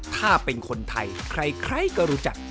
ถ้าเป็นคนไทยใครก็รู้จัก